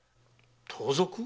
盗賊？